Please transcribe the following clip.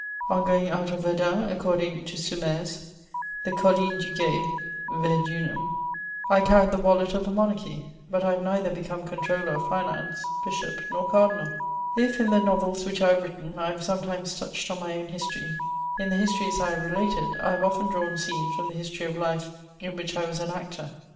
On going out of Verdun, according to Soumaise, the colUne du gui ( Ver dunum)j I carried the wallet of the monarchy, but I have neither become controller of finance, bishop, nor cardinaL li, in the novels which I have written, I have sometimes touched on my own history, in the histories I have related, I have often drawn scenes m>m the history of life in which I was an actor.